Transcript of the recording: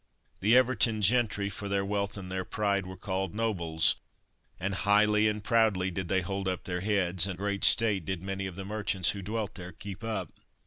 The Everton gentry for their wealth and their pride were called "Nobles," and highly and proudly did they hold up their heads, and great state did many of the merchants who dwelt there keep up.